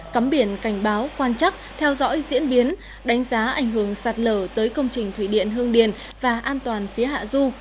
cắm biển cảnh báo quan chắc theo dõi diễn biến đánh giá ảnh hưởng sạt lở tới công trình thủy điện hương điền và an toàn phía hạ du